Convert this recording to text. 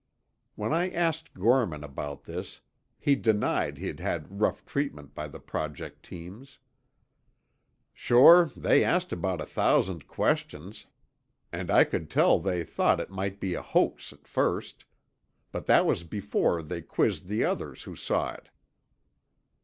When I asked Gorman about this, he denied he'd had rough treatment by the Project teams. "Sure, they asked about a thousand questions, and I could tell they thought it might be a hoax at first. But that was before they quizzed the others who saw it."